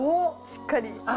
しっかり。